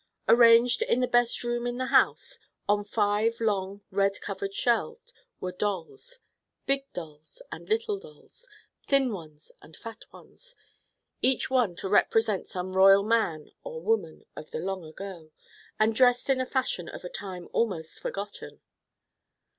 Arranged in the best room in the house, on five long red covered shelves, were dolls. Big dolls and little dolls, thin ones and fat ones, each one to represent some royal man or woman of the long ago, and dressed in a fashion of a time almost forgotten.